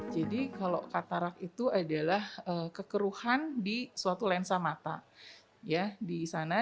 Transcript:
jadi kalau katarak itu adalah kekeruhan di suatu lensa mata